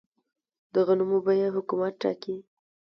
د غنمو بیه حکومت ټاکي؟